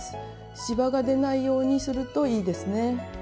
しわがでないようにするといいですね！